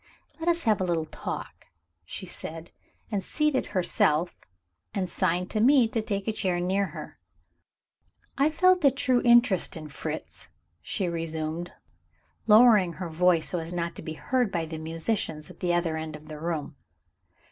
"Let us have a little talk," she said, and seated herself, and signed to me to take a chair near her. "I feel a true interest in Fritz," she resumed, lowering her voice so as not to be heard by the musicians at the other end of the room.